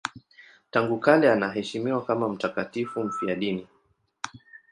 Tangu kale anaheshimiwa kama mtakatifu mfiadini.